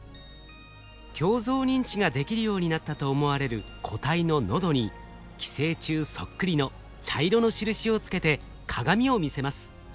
鏡像認知ができるようになったと思われる個体の喉に寄生虫そっくりの茶色の印をつけて鏡を見せます。